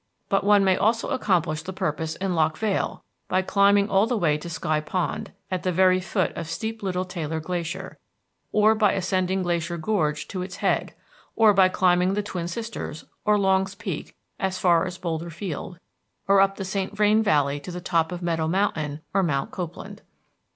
But one may also accomplish the purpose in Loch Vale by climbing all the way to Sky Pond, at the very foot of steep little Taylor Glacier, or by ascending Glacier Gorge to its head, or by climbing the Twin Sisters, or Longs Peak as far as Boulder Field, or up the St. Vrain valley to the top of Meadow Mountain, or Mount Copeland.